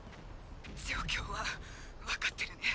状況はわかってるね？